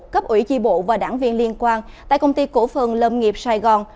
cấp ủy chi bộ và đảng viên liên quan tại công ty cổ phần lâm nghiệp sài gòn